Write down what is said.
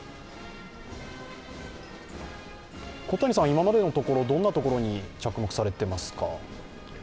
今までのところ、どんなところに着目されていますか？